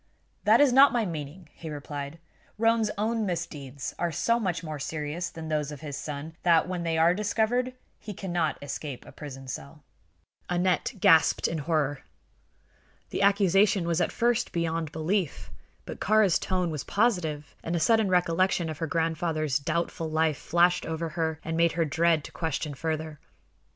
"That is not my meaning," he replied. "Roane's own misdeeds are so much more serious than those of his son that, when they are discovered, he cannot escape a prison cell." Aneth gasped in horror. The accusation was at first beyond belief; but Kāra's tone was positive and a sudden recollection of her grandfather's doubtful life flashed over her and made her dread to question further.